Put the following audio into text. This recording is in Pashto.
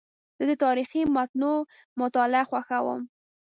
زه د تاریخي متونو مطالعه خوښوم.